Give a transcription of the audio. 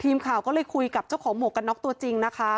ทีมข่าวก็เลยคุยกับเจ้าของหมวกกันน็อกตัวจริงนะคะ